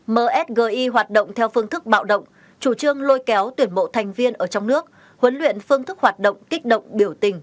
msgi hoạt động theo phương thức bạo động chủ trương lôi kéo tuyển bộ thành viên ở trong nước huấn luyện phương thức hoạt động kích động biểu tình